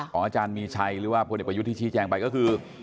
อาจารย์มีชัยหรือว่าพลเอกประยุทธ์ที่ชี้แจงไปก็คือ